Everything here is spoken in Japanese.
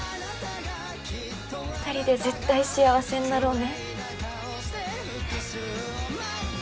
二人で絶対幸せになろうね。